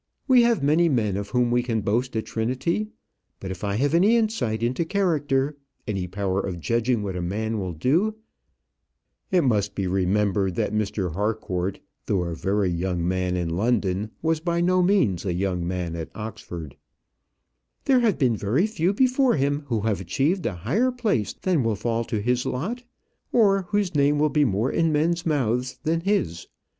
We have many men of whom we can boast at Trinity; but if I have any insight into character, any power of judging what a man will do" it must be remembered that Mr. Harcourt, though a very young man in London, was by no means a young man at Oxford "there have been very few before him who have achieved a higher place than will fall to his lot, or whose name will be more in men's mouths than his.